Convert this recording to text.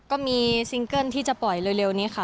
ซิงเกิ้ลที่จะปล่อยเร็วนี้ค่ะ